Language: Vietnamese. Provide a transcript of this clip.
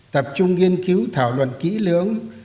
tập trung nghiên cứu thảo luận kỹ lưỡng